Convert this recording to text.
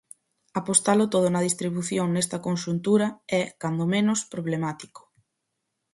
Apostalo todo na distribución nesta conxuntura é, cando menos, problemático.